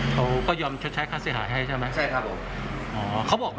เขาก็ยอมใช้ค่าเสียหายให้ใช่ไหมใช่ครับผม